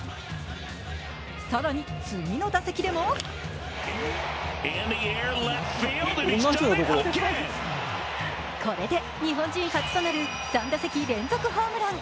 更に、次の打席でもこれで日本人初となる３打席連続ホームラン。